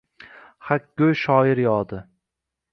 Haqgo‘y shoir yodi